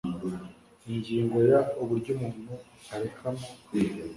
Ingingo ya Uburyo umuntu arekamo